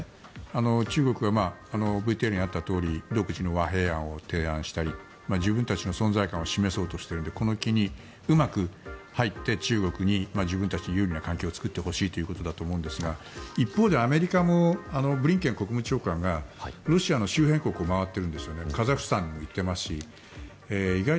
中国が、ＶＴＲにあったとおり独自の和平案を提案したり自分たちの存在感を示そうとしているのでこの機に入って中国に自分たちの有利な状況を作ってほしいということだと思いますが一方でアメリカもブリンケン国務長官がロシアの周辺国を回ってるんですね。